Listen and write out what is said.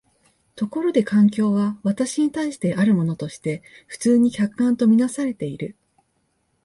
ところで環境は私に対してあるものとして普通に客観と看做されている。